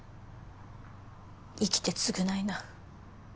生きて償いな。